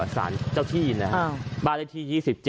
ศาลเจ้าที่นะครับบ้านเรทที่๒๗